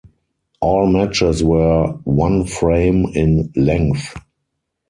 All matches were one frame in length.